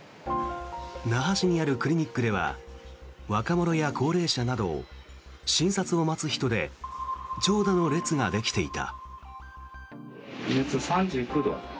那覇市にあるクリニックでは若者や高齢者など診察を待つ人で長蛇の列ができていた。